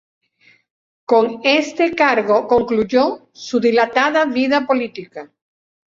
Con este cargo concluyó su dilatada vida política.